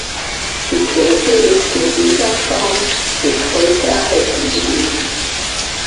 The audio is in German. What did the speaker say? Die Kirche ist in dieser Form bis heute erhalten geblieben.